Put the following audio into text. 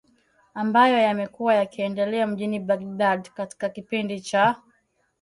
ambayo yamekuwa yakiendelea mjini Baghdad katika kipindi cha